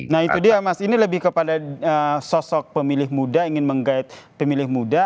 nah itu dia mas ini lebih kepada sosok pemilih muda ingin menggait pemilih muda